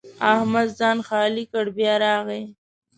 احمد ځان خالي کړ؛ بیا راغی.